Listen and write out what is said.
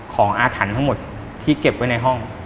อาถรรพ์ทั้งหมดที่เก็บไว้ในห้อง